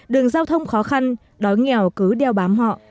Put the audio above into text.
đường giao thông khó khăn đói nghèo cứ đeo bám họ